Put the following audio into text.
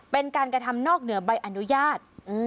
เป็นการกระทำนอกเหนือใบอนุญาต